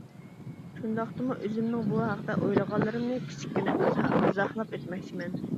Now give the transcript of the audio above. شۇنداقتىمۇ ئۆزۈمنىڭ بۇ ھەقتە ئويلىغانلىرىمنى كىچىككىنە ئىزاھلاپ ئۆتمەكچىمەن.